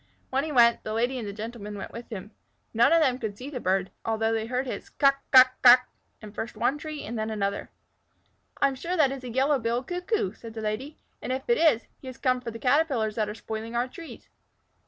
When he went, the Lady and the Gentleman went with him. None of them could see the bird, although they heard his "kuk kuk kuk!" in first one tree and then another. "I am sure that is a Yellow billed Cuckoo," said the Lady, "and if it is, he has come for the Caterpillars that are spoiling our trees."